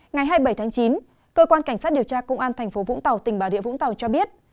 ngày hai mươi bảy tháng chín cơ quan cảnh sát điều tra công an thành phố vũng tàu tỉnh bà rịa vũng tàu cho biết